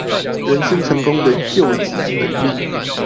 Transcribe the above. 人生成功的究極能力